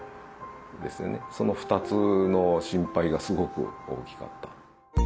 その２つの心配がすごく大きかった。